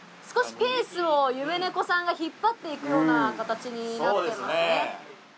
少しペースを夢猫さんが引っ張っていくような形になってますね。